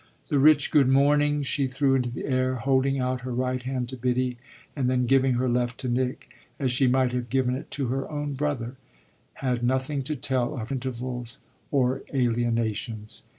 The rich "Good morning" she threw into the air, holding out her right hand to Biddy and then giving her left to Nick as she might have given it to her own brother had nothing to tell of intervals or alienations.